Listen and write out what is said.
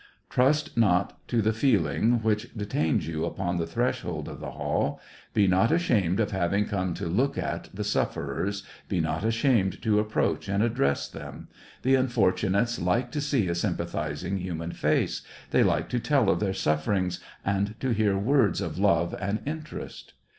Trust not to the feel ing which detains you upon the threshold of the hall ; be not ashamed of having come to look at the sufferers, be not ashamed to ap proach and address them : the unfortunates like to see a sympathizing human face, they like to tell of their sufferings and to hear words of love and interest.